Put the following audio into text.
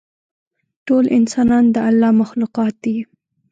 ټول انسانان د الله مخلوقات دي.